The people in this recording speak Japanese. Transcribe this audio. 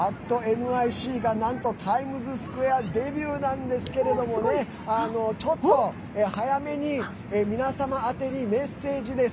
「＠ｎｙｃ」がなんと、タイムズスクエアデビューなんですけれどもねちょっと早めに皆様宛てにメッセージです。